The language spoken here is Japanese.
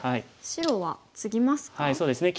白はツギますか？